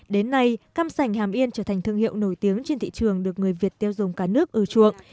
đến nay cam sành hàm yên trở thành thương hiệu nổi tiếng trên thị trường được người việt tiêu dùng cả nước ưa chuộng